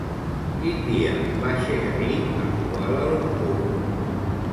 Quin dia va ser ahir a Kuala Lumpur?